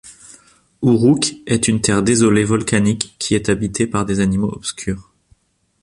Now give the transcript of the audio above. Uruk est une terre désolée volcanique qui est habitée par des animaux obscures.